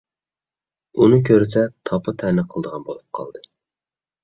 ئۇنى كۆرسە تاپا - تەنە قىلىدىغان بولۇپ قالدى.